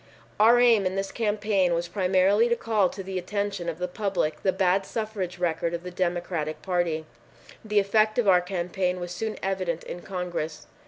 Our aim in this campaign was primarily to call to the attention of the public the bad suffrage record of the Democratic Party. The effect of our campaign was soon evident in Congress.